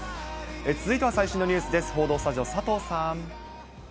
続いては最新のニュースです。